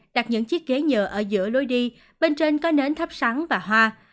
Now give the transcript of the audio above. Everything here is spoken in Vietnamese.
đặt những chiếc ghế nhựa ở giữa lối đi bên trên có nến thắp sắn và hoa